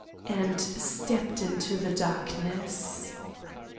and stepped into the darkness.